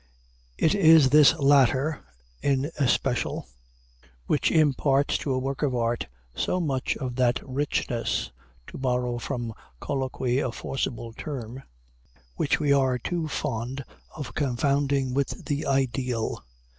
It is this latter, in especial, which imparts to a work of art so much of that richness (to borrow from colloquy a forcible term) which we are too fond of confounding with the ideal.